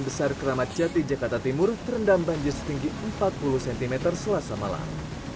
besar keramat jati jakarta timur terendam banjir setinggi empat puluh cm selasa malam